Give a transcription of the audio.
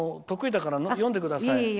得意だから読んでください。